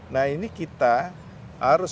nah ini kita harus